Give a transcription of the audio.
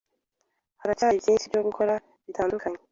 haracyari byinshi byo gukora bitandukanye